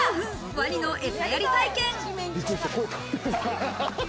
ワニのエサやり体験。